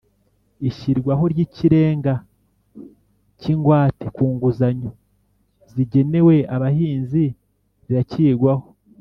ishyirwaho ry'ikigega cy'ingwate ku nguzanyo zigenewe abahinzi riracyigwaho.